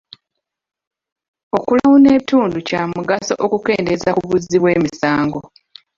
Okulawuna ebitundu kya mugaso okukendeeza ku buzzi bw'emisango.